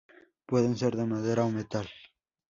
Pueden ser de madera o metal.